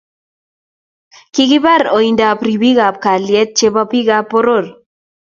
Kikipar oindap ripikap kaliet chebo pikap boror